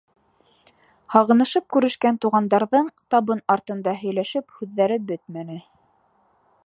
Һағынышып күрешкән туғандарҙың табын артында һөйләшеп һүҙҙәре бөтмәне.